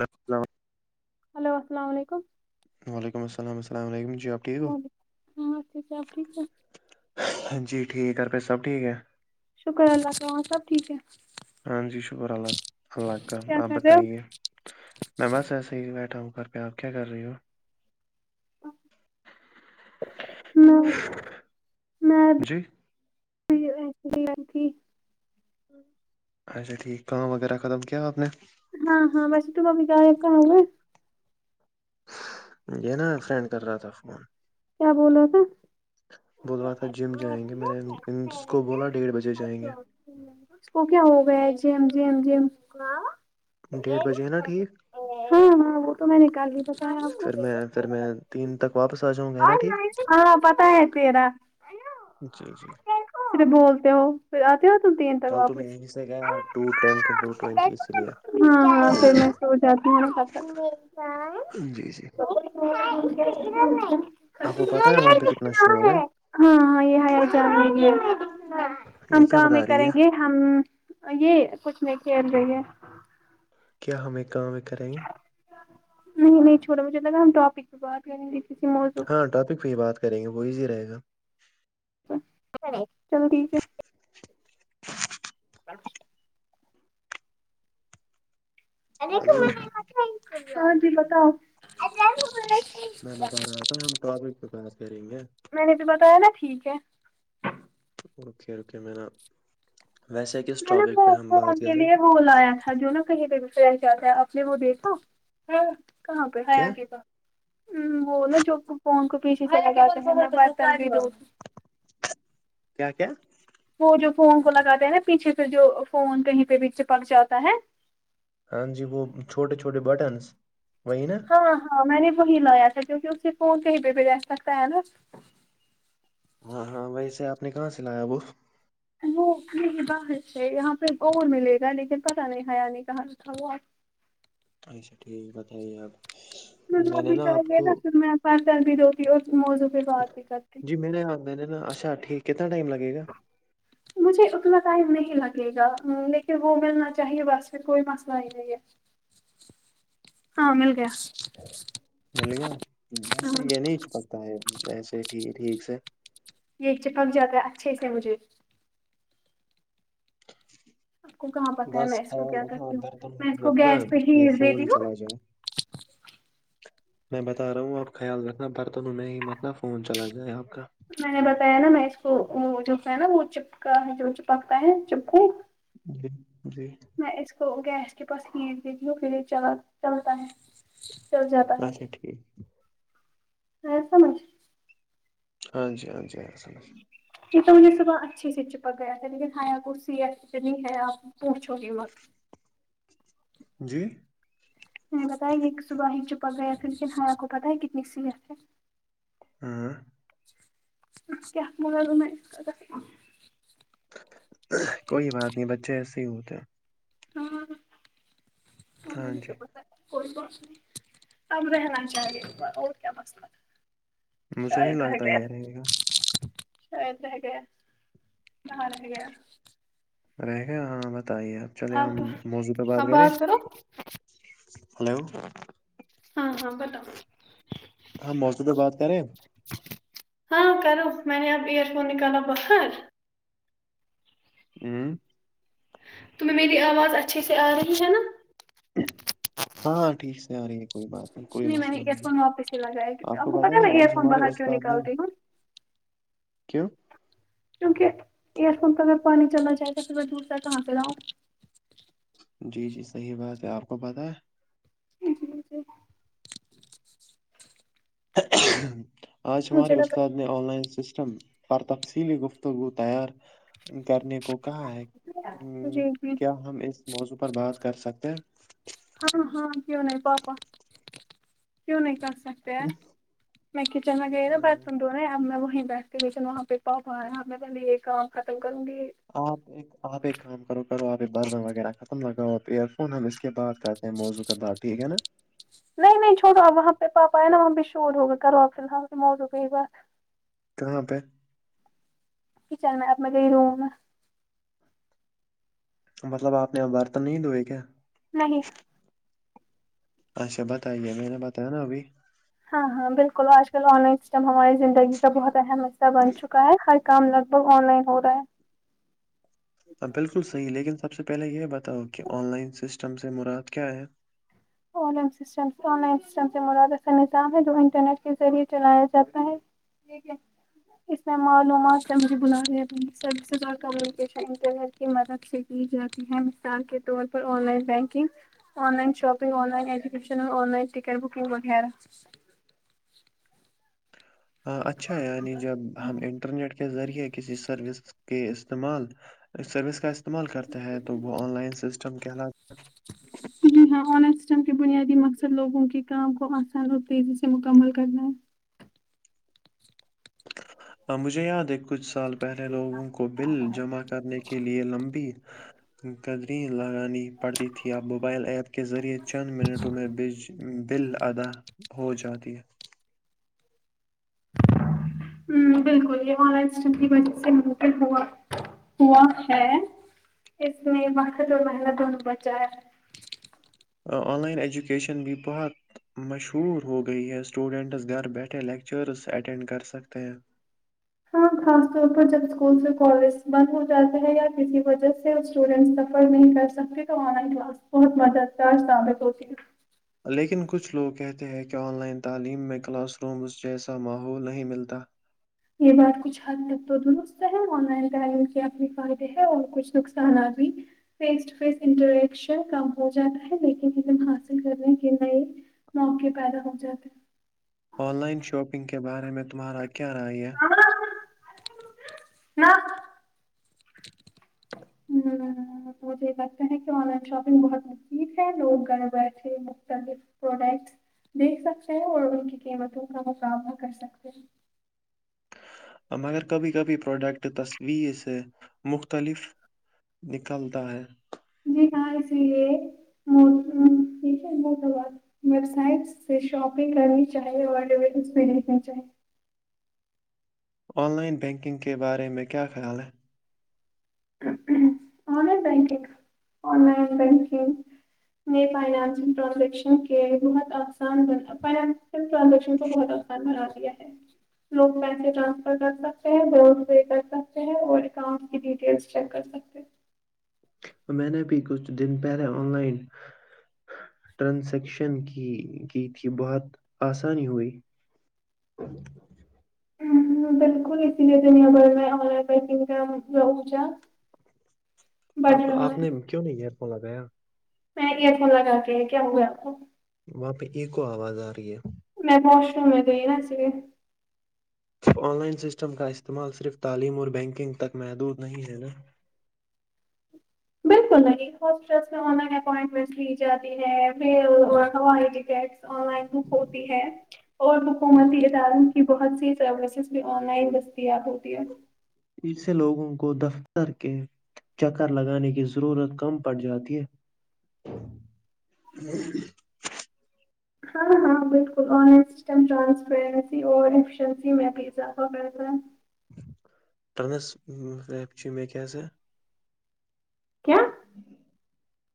الچلا hello السلام علیکم وعلیکم السل السلام علیکم جی آپ ٹھیک ہو وعلیکم ہاں صاحب ٹھیک ہے ہاں جی ٹھیک ہے ررپت سب ٹھیک ہے شکر اللہ تالیاں سب ٹھیک ہے ہاں جی شکر اللہ اللہ کا کیا آپ کر رہے ہو بتائیے میں بس ایسے ہی بیٹھا ہوں گھر پہ آپ کیا کر رہی ہو نہ میں بھی جی جی آٹھی اچھا ٹھیک کام وغیرہ ختم کیا آپ نے ہاں ہاں وسے تو ممی گایا کہا ہو ہے یہ نا فرینڈ کر رہا تھا فون کیا بول رہو تھا بول رہا تھا جم جائیں گے میں نے اس کو بولا ڈیڑھ بجے جائیں گے اس کو کیا ہو گیا ہے جم جم ج ڈیڑھ بجے ہے نا ٹھیک ہاں ہاں وہ تو میں نکال لی بتا ہے آپ کو پھر میں پھر میں تین تک واپس آجاں [unintelligible] ہاں پتا ہے تیرا جی جی بولتے ہو [inaudible] پھر آتے ہی تم تین تک کل تو میں واپس یہیں سے گیا ٹو ٹین کے ٹو ہاں ٹوینٹی اسی لیے ہاں پ مٹ [inaudible] ہو جاتی ہیں جی جی خ [inaudible] آپ کو پتہ ہے وہاں پہ کتنا شور ہے ہاں یہ ہے جان [inaudible] یہ ہم کیا کام ہی بتا رہی کریں ہے گے ہم یہ کچھ نہیں کھیل رہ ہے [inaudible] کیا ہم ایک کام کریں گے نہیں چھوا مجھے لگا ہم ٹاپک پ باتد یع کسی موضوع [inaudible] ہاں ٹاپک پہ ہی بات کریں گے وہ ایزی رہے گا چل ٹھیک ہے [inaudible] ہلو ہاں جی بتاؤ [inaudible] میں بتا رہا تھا ہم ٹاپک پہ پاس کریں گے [inaudible] میں نے بھی پتا ہے نا ٹھیک ہے اوکے اوکے م نا ویسے کس ٹاپک پہ ہم بات کریں بلایا تھا جو نہا کہیں پہ گ کیا تھا آپ نے وہ دیکھا [inaudible] کہاں پہ کیا ہےگے کا [inaudible] وہ نا چ پ کو پیچھے چ [inaudible] کیا کیا وہ جو فون کو لگاتے ہیں نا پیچھے سے جو فون کہیں پہ بییچے پک جاتا ہے ہاں جی وہ چھوٹے چھوٹے بٹنس وہی نا ہاں ہاں میں نے وہی لایا تھا کیوںکہ اسے کو کہیں پہ بھیہ ج سکتا ہے نا ہاں ہاں ویسے آپ نے کہاں سے لایا وہ وہ نہیں باہر سے یہاں پہ اورور ملے گا لیکن پت نہیں حیاانی کہ تھا وہپ [inaudible] اچھا ٹھیک ہے بتائیے آپ [inaudible] اب بھی آپ چاہیے نا کو پھر میں پر کرر بھی دتی اور موزوں پ بعات بھی کرتی [inaudible] جی میں نے میں نے نا اچھا ٹھیک کتنا ٹائم لگے گا مجھے اتنا ٹائم نہیں لگے گا لیکن وہ ملنا چاہیے بس پھر کوئی مسئلہ ہی نہیں ہے [inaudible] ہاں مل گیا مل گیا ویسے ہاں یہ نہیں چ پکتا ہے ویسے ٹھیک سے یہ چپک جاتا ہے اچھے سے مجھے آپ کو کہاں پتا ہے بس میں اس کو خیال کیا رکھنا کرتی ہوں میں اس کو برتنت ن گیس پہ ہی یہ فون ہی دیتی ہوں چلا جائے [inaudible] میں بتا رہا ہوں آپ خیال رکھنا برتنوں میں ہی مرتنا فون چلا جائے آپ کا میں نے بتایا نا میں اس کو وہ جو ہے نا وہ چپکا ہے جو چپکتا ہے چپکو جی جی [inaudible] میں اس کو گیس کے پاس کھینچ بھیتیی ہوں پریج چلا چلتا ہے چل جاتا ہے اچھا ٹھیک [inaudible] ایسم مجھ [inaudible] ہاں جی ہاں جیل [inaudible] یہ تو مجھے صبح اچھے سے چپک گیا تھا لیکن ہایا کسی ای اتنی ہے آپ پوچھو گے مت [inaudible] [inaudible] جی میں نے بتایا یہ صبح ہی چپک گیا تھا لیکن ہم کو پتا ہے کتنی سیریت ہے ہاں کیا م [inaudible] کوئی بات نہیں بچے ایسے ہی ہوتے ہیں ہاں ہاں س جی بس [inaudible] کوئیھ نہیں سم رہنا چاہیے بار اور کیا مسئلہ [inaudible] مجھے نہیں شد رہ گ لگتا یہ رہے گا [inaudible] ش ہے گ بر ہے گ رہ گیا ہاں بتائیے اب چلے ہم آپ موضوع پہ بات آپ کرے کرو ہلو ہاں ہاں بتاؤ ہاں موضوبہ بات کر رہے ہیں ہاں کرو میں نے اب ایئر فون نکالا بخر اوں تمہیں میری آواز اچھیے سے آ رہی ہے نا ہاں ٹھیک سے آ رہی ہے کوئی بات کوئی میں نے مسئلہ ایئر نہیں ہے فون واپس ہی لگایا کیونکہ آپ کو پتا ہے بتیا میں ایئر آج فون ہمارے باہر کیوں استاد نے نکالتی ہوں کیوں کیونکہ ایئر پمپ کا میں پانی چلنا چاہے تو پھر میں دور ت کہاں پہ رہا ہوں جی جی صحیح بات ہے آپ کو پتہ ہے ج ج آج ہمارے مجھے استاد لگا نے آن لائن سسٹم پر تفصیلی گفتگو تیار کرنے کو کہا ہے ہ جی جی کیا ہم اس موضوع پر بات کر سکتے ہیں ہاں ہاں کیوں نہیں پاپا کی نہیںئی کر سک ہیں میں کچن میں گئے تھاا باتھ روم تو نہیں اب میں وہیں بیٹھتین وہاں پہ پاپایا میں پہے یہ کام ختم کروں گی آپ ایک آپ ایک کام کرو کرو آپ ایک بربن وغیرہ ختم لگاؤ آپ ایئر فون ہم اس کے بعد کر ا موضو کردار ٹھیک ہے نا نہیں نہیں چوٹو آپ وہاں پہ پاپا آئے نا وہاں بھی شور ہوگئے کرو آپ فی الحال پ بھی موت ہو گئی بات کہاں پہ کچن میں آپ م کہئی روم مطلب آپ نے برتن نہیں دوئے کیا نہیں اچھا بتائیے میں نے بتایا نا ابھی ہاں ہاں بالکل آج کل آن لائن سسٹم ہماراری زندگی کا بہت اہم حصہ بن چکا ہے ہر کام لگ بھگ آن لائن ہو رہا ہے ہاں بالکل صحیح لیکن سب سے پہلے یہ بتاؤ کہ آن لائن سسٹم سے مراد کیا ہے او ن سے آن لائن سسٹم سے مرادف کا نظام ہے جو انٹرنیٹ کے ذریعے چلایا جاتا ہے ٹھیک ہے [unintelligible] اس میں معلومات سے مجھے بن سزا کا [unintelligible] مدد سے کی جاتی ہے مثال کے طور پر online banking online shopping online education online ticket booking وغیرہ ہاں اچھا یعنی جب ہم انٹرنیٹ کے ذریعے کسی سروس کے استعمال سروس کا استعمال کرتے ہیں تو وہ آن لائن سسٹم کے حلات [inaudible] جی ہاں آنر سسٹم کے بنیادی مقصد لوگوں کے کام کو آسان اور تیزی سے مکمل کرنا ہے ا مجھے یاد ہے کچھ سال پہلے لوگوں کو بل جمع کرنے کے کے لیئے لمبی قدری لگان پڑتی تھی موبائل ایپ کے ذریعے چند منٹوں میں بج بل ادا ہو جاتی ہے ہ بالکل یہ ہمارا اسٹن کی وجہ سے م پ ہوا ہوا ہے اس میں ماں جو ملا دونوں بچایا آن لائین ایجوکیشن بھی بہت مشہور ہو گئی ہے اسٹوڈینٹس گھر بیٹھے لیکچرس اٹینڈ کر سکتے ہیں ہاں خاص طور پر جب اسکولس سے کالج بند ہو جاتا ہے یا کسی وجہ سے اسٹوڈینٹ سفر نہیں کر سب کے تو آن لائن کلاس بہت مددگار ثابت ہوتی ہے- لیکن کچھ لوگ کہتے ہیں کہ آن لائن تعلیم میں کلاس رومس جیسا ماحول نہیں ملتا یہ بات کچھ حد تک تو درست ہے آن لائن ڈائیگ کے ا بھی فائدے ہے اور کچھ نقصانات بھی- فیس ٹو فیس انٹریکشن کم ہو جاتا ہے لیکن عم حاصل کرنے کے نئے- موقے پیدا ہو جات آن لائن شاپنگ کے بارے میں تمہارا کیا رائےیہ? [unintelligible] ہ تو مجھے یہ لگتے ہے کہ آن لائن شاپنگ بہت م ج ہے لوگ گھر بیٹھے مختلف پروڈکٹ- دیکھ سکتے ہیں اور ان کی قیمتوں کا مقابنا کر سکتے ہیں- مگر کبھی کبھی پروڈکٹ تصویر سے مختلف- نکلتا ہے جی ہاں س یہ موسم یہ شن بہتبات- ویب سائٹ سے شاپنگ کرنی چاہیے اور ڈیس پہ دیکھنی چاہیے- آن لائن بینکنگ کے بارے میں کیا خیال ہے- لن بکگ لائن بکنگ میں فائنانس ٹرانزیکشن کے بہت آسان ب پر- ٹرانزیکشن کو بہت آسان بنا دیا ہے- لوگ بینک ٹرانسفر کر سکتے ہیں فون پے کر سکتے ہیں اور اکاؤنٹ کی ڈیٹیلس چیک کر- اچکے میں نے بھی کچھ دن پہلے آن لائن ٹرانسیکشن کی کی تھی بہت آسانی ہوئی- ہاں- ہ بالکل اسی لیے دنیا ب میں آن لائن پنگ کا- بڑھ آپ کو رہا ہے آپ نے کیوں نہیں ایئر فون لگایا- میں یہ پ لگا کے کیا ہوا آپ کو وہاں پہ ایکو آواز آ رہی ہے- میں واش روم میں گ ہی نہا س گ- آن لائن سسٹم کا استعمال صرف تعلیم اور بینکنگ تک محدود نہیں ہے نا بالکل، نہیں ہاسپٹلس میں آن لائن اپائنٹمنٹس لی جاتی ہے ہوائی کٹ- آن لائن بک ہوتی ہے اور حکومتی اداروں کی- بہت سی سروسز بھی آن لائن دستیاب ہوتی ہے- اسے لوگوں کو دفتر کے- چکر لگانے کی ضرورت کم پڑ جاتی ہے- اور ہاں- ہاں بالکل آن لائن سم رسپیرن میں بھیہہتر ٹرانس اییپچ میں کی سا کیا?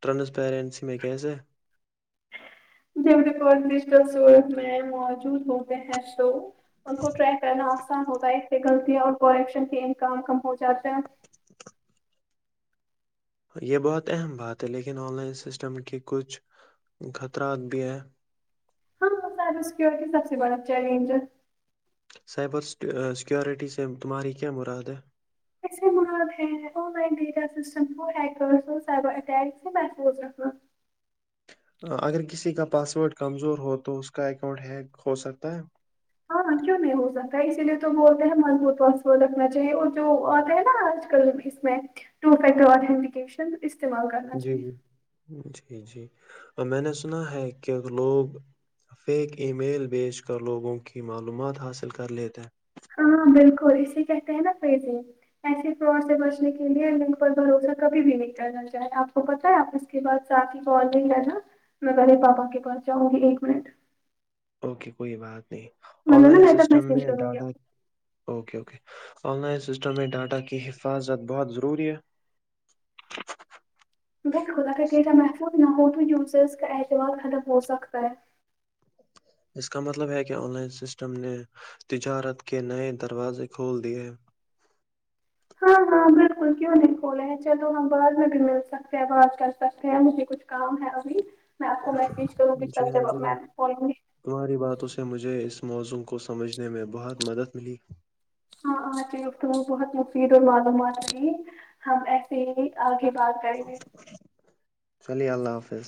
ٹرانسپیرنسی میں کیسے- جب رپور ڈجٹلڈ میں موجود ہوتے ہیں شو ان کو ٹر کرنا- نقان ہوتا ہے سے غلطی اور پرشن کے انکام کم ہو جاتا ہے- یہ بہت اہم بات ہے لیکن آن لائن سسٹم کی کچھ خطرات بھی ہیں- ہاںاں سائ سکورٹی سب سے بڑا چیلنجر- سائبر سیکورٹی سے تمہاری کیا مراد ہے- ایسے مال ہے آن لائن ڈیٹا سسٹم سیک سے میں سوز رہا- اگر کسی کا پاس ورڈ کمزور ہو تو اس کا اکاؤنٹ ہیک ہو سکتا ہے ہاں کیوں نہیں ہو سکتا ہے اسی لیے تو بولتے ہیں مضبوت وص رکھنا چاہیے اور جو آتا ہے نا آج کل میں- اس میں ٹو افیکٹر اتنٹیکیشن اس جی- جی -جی- جی اور میں نے سنا ہے کہ لوگ- فیک ای میل بیج کر لوگوں کی معلومات حاصل کر لیتے ہیں- ہاں بالکل اسے کہتے ہیں نا ف ج ایس فراڈ سے بچنے کے لیے لنک پر بھروسہ کبھی بھی نہیں کرنا چاہے آپ کو پتہ ہے آپ اس کے بعد سات ہی کو ج گ نا میں پہلے پاپا کے پہنچ جاؤں گی ایک منٹ اوکے کوئی بات نہیں آن مطلب لائن نا تب سسٹم میسج میں کروں گی ڈاٹا آپ okay okay online system میں ڈاٹا کی حفاظت بہت ضروری ہے ب خدا کر کہ جب محفوظ نہ ہو تو جوسز کا اعتوال ختم ہو سکتا ہے اس کا مطلب ہے کہ آن لائن سسٹم نے تجارت کے نئے دروازے کھول دیے ہیں ہاں ہاں بالکل کیوں نہیں کھولے ہیں چلو ہم بعد میں بھی مل سکتے ہیںواز کر سکتے ہیں مجھے کچھ کام ہے ابھی میں آپ کو میسج کروں گی جی کل جب ہاں چلیے میںال تمہاری باتوں سے مجھے اس موزوں کو سمجھنے میں بہت مدد ملی ہاں آ تیں بہت مفید اور معلومات رہی ہم سے آگے بات کریں گے چلیے اللہ حافظ